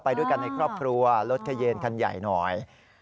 ไปด้วยกันในครอบครัวรถเขยนคันใหญ่หน่อย